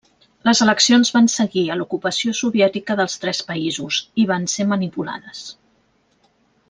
Les eleccions van seguir a l'ocupació soviètica dels tres països, i van ser manipulades.